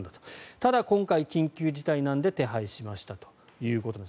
ただ今回、緊急事態なので手配したということです。